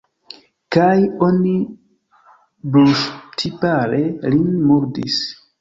Kaj oni brulŝtipare lin murdis.